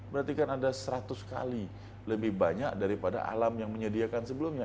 berarti kan ada seratus kali lebih banyak daripada alam yang menyediakan sebelumnya